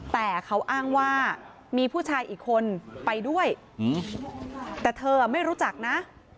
แต่เขาอ้างว่ามีผู้ชายอีกคนไปด้วยแต่เธอไม่รู้จักนะ